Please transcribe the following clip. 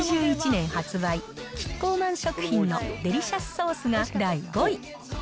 １９８１年発売、キッコーマン食品のデリシャスソースが第５位。